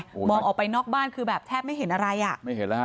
โอ้โหมองออกไปนอกบ้านคือแบบแทบไม่เห็นอะไรอ่ะไม่เห็นแล้วฮะ